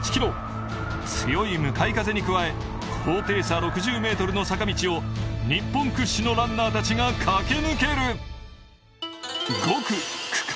強い向かい風に加え高低差６０ｍの坂道を日本屈指のランナーたちが駆け抜ける！